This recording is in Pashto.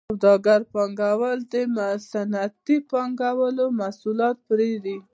سوداګر پانګوال د صنعتي پانګوالو محصولات پېري